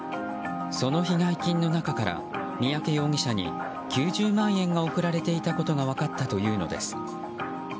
その被害金の中から三宅容疑者に９０万円が送られていたことが分かったというのです。